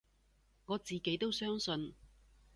我自己都相信